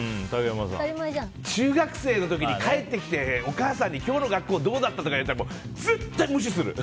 中学生の時に帰ってきて、お母さんに今日の学校どうだった？とか聞かれたら絶対無視する。